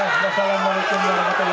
wassalamu'alaikum warahmatullahi wabarakatuh